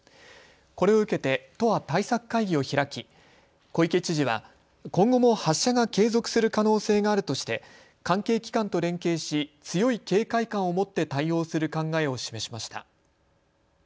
これを受けて都は対策会議を開き小池知事は今後も発射が継続する可能性があるとして関係機関と連携し強い警戒感を持って対応する考えを示しました。